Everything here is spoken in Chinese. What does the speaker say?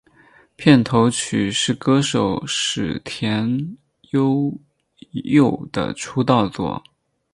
片头曲是歌手矢田悠佑的出道作。